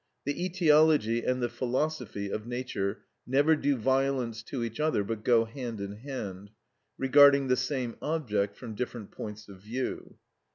The etiology and the philosophy of nature never do violence to each other, but go hand in hand, regarding the same object from different points of view.